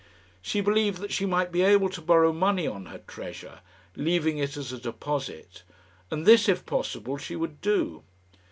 She believed that she might be able to borrow money on her treasure, leaving it as a deposit; and this, if possible, she would do.